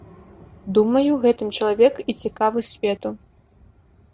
Думаю, гэтым чалавек і цікавы свету.